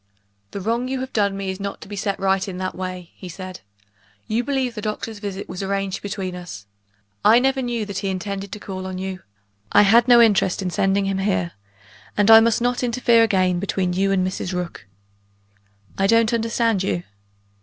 "The wrong you have done me is not to be set right in that way," he said. "You believe the doctor's visit was arranged between us. I never knew that he intended to call on you; I had no interest in sending him here and I must not interfere again between you and Mrs. Rook." "I don't understand you."